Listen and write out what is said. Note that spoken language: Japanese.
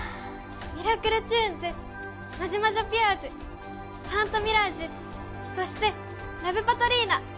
ミラクルちゅーんずマジマジョピュアーズファントミラージュそしてラブパトリーナ。